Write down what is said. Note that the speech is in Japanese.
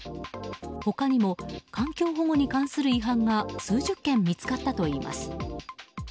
他にも環境保護に関する違反が数十件見つかったといいます。